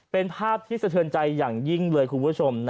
เป็นภาพที่สะเทือนใจอย่างยิ่งเลยคุณผู้ชม